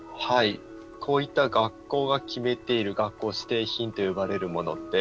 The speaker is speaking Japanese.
こういった学校が決めている学校指定品と呼ばれるものって